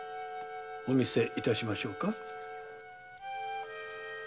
お見せいたしましょうか？